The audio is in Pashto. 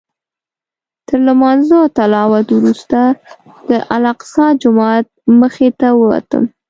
تر لمانځه او تلاوت وروسته د الاقصی جومات مخې ته ووتم.